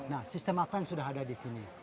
nah sistem apa yang sudah ada di sini